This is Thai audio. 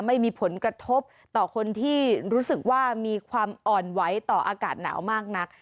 ไม่มีผลกระทบต่อคนที่รู้สึกว่ามีความอ่อนไหวต่ออากาศหนาวมากนัก